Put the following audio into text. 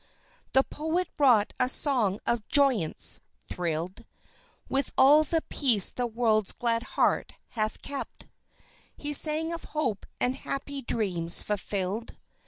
The poet wrought a song of joyance, thrilled With all the peace the world's glad heart hath kept; He sang of hope and happy dreams fulfilled